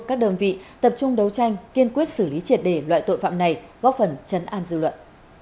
các đơn vị tập trung đấu tranh kiên quyết xử lý triệt để loại tội phạm này góp phần chấn an dư luận